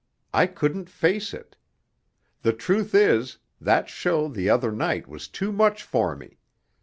I couldn't face it.... The truth is, that show the other night was too much for me....